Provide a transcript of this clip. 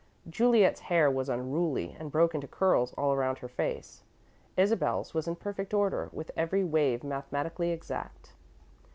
Juliet's hair was unruly and broke into curls all around her face; Isabel's was in perfect order, with every wave mathematically exact.